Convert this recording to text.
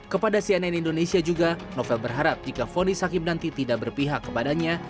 kepada cnn indonesia juga novel berharap jika fonis hakim nanti tidak berpihak kepadanya